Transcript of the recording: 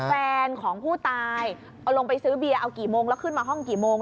แฟนของผู้ตายเอาลงไปซื้อเบียร์เอากี่โมงแล้วขึ้นมาห้องกี่โมง